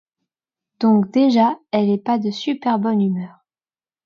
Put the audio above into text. Donc déjà elle est pas de super bonne humeur.